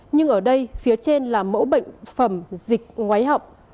nhưng ở đây phía trên là mẫu bệnh phẩm dịch ngoái học